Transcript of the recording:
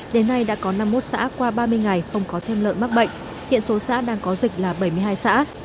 đến nay đã có năm mươi một xã qua ba mươi ngày không có thêm lợn mắc bệnh hiện số xã đang có dịch là bảy mươi hai xã